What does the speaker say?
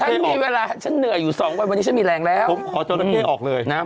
กำลังจะออก